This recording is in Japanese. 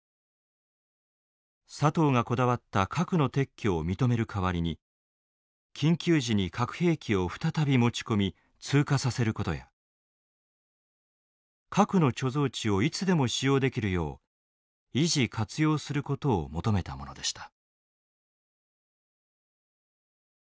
佐藤がこだわった核の撤去を認める代わりに緊急時に核兵器を再び持ち込み通過させることや核の貯蔵地をいつでも使用できるよう維持活用することを求めたものでした。